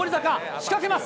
仕掛けます。